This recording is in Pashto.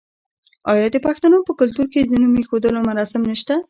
آیا د پښتنو په کلتور کې د نوم ایښودلو مراسم نشته؟